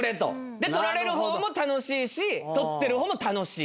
で撮られる方も楽しいし撮ってる方も楽しい。